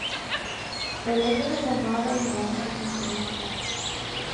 Religion is a modern Western concept.